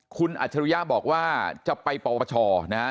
คุณอัจฉริยะบอกว่าจะไปปปชนะฮะ